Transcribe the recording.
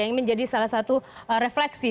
ini menjadi salah satu refleksi